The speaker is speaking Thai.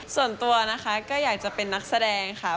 ส่วนตัวนะคะก็อยากจะเป็นนักแสดงค่ะ